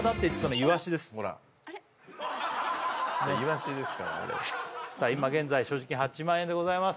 イワシですからあれさあ今現在所持金８万円でございます